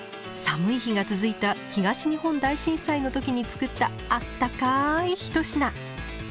寒い日が続いた東日本大震災の時に作ったあったかい一品。